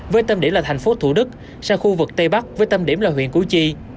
với tâm điểm là thành phố thủ đức sang khu vực tây bắc với tâm điểm là huyện củ chi